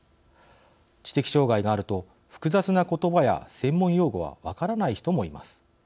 知的障害があると複雑な言葉や専門用語は分からない人もいます。